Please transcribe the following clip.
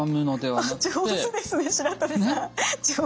はい。